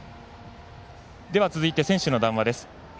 続いて選手の談話です。